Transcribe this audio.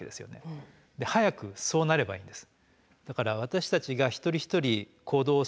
早くそうなればいいんです。